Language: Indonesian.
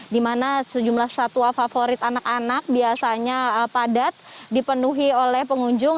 di mana sejumlah satwa favorit anak anak biasanya padat dipenuhi oleh pengunjung